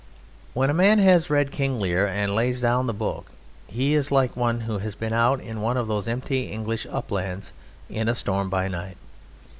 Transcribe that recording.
When a man has read "King Lear" and lays down the book he is like one who has been out in one of those empty English uplands in a storm by night.